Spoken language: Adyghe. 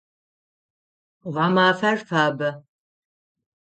Гъэмафэр фабэ.